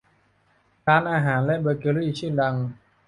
ร้านอาหารและเบเกอรี่ชื่อดัง